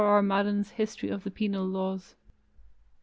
R. Madden's History of the Penal Laws.